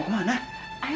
ada apaan ada apaan